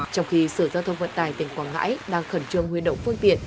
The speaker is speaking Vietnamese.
trong khi sở giao thông vận tải tỉnh quảng ngãi đang khẩn trương huy động phương tiện